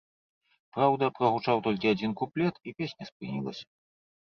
Праўда, прагучаў толькі адзін куплет, і песня спынілася.